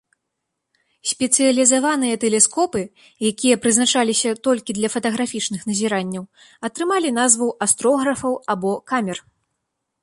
Спецыялізаваныя тэлескопы, якія прызначаліся толькі для фатаграфічных назіранняў, атрымалі назву астрографаў або камер.